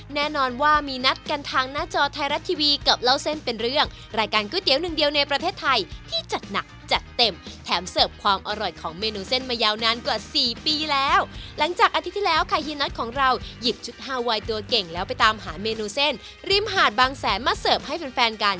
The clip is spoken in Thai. แล้วก็เผื่อมออกเป็นของดั้งเดิมอยู่ตัวร้าน